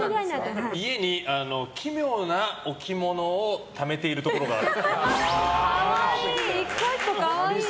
家に奇妙な置物をためているところがあるっぽい。